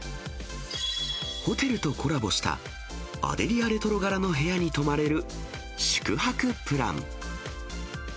ホテルとコラボした、アデリアレトロ柄の部屋に泊まれる宿泊プラン。